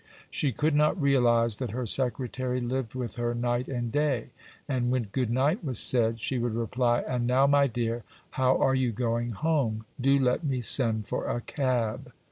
She could not realize that her secretary lived with her night and day; and when good night was said, she would reply, "And now, my dear, how are you going home? do let me send for a cab."